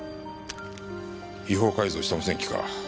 違法改造した無線機か。